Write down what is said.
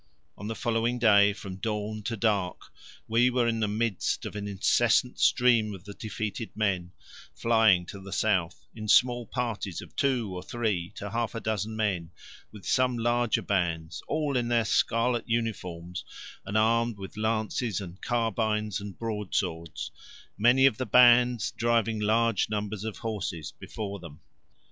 On the following day, from dawn to dark, we were in the midst of an incessant stream of the defeated men, flying to the south, in small parties of two or three to half a dozen men, with some larger bands, all in their scarlet uniforms and armed with lances and carbines and broadswords, many of the bands driving large numbers of horses before them.